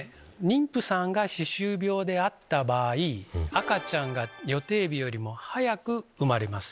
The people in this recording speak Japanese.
妊婦さんが歯周病であった場合赤ちゃんが予定日よりも早く産まれます。